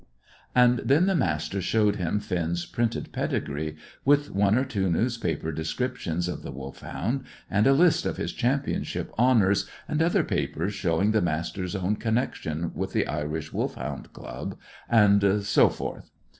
And then the Master showed him Finn's printed pedigree, with one or two newspaper descriptions of the Wolfhound, and a list of his championship honours, and other papers showing the Master's own connection with the Irish Wolfhound Club, and so forth.